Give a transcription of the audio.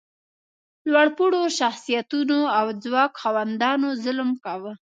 لوړ پوړو شخصیتونو او ځواک خاوندانو ظلم کاوه.